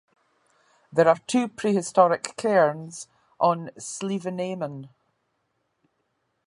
There are two prehistoric cairns on Slievenamon.